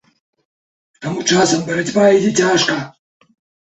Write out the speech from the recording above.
Таму часам барацьба ідзе цяжка.